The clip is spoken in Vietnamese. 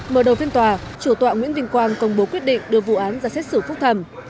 mở đầu phiên tòa chủ tọa nguyễn vinh quang công bố quyết định đưa vụ án ra xét xử phúc thẩm